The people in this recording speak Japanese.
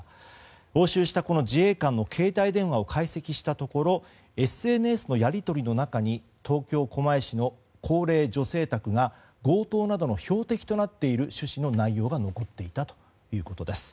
押収した、この自衛官の携帯電話を解析したところＳＮＳのやり取りの中に東京・狛江市の女性宅が強盗などの標的になっているという趣旨の内容が残っていたということです。